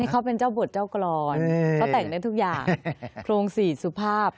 เขาเป็นเจ้าบทเจ้ากรอนเขาแต่งได้ทุกอย่างโครงสี่สุภาพ